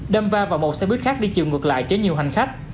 đâm va vào một xe buýt khác đi chiều ngược lại chở nhiều hành khách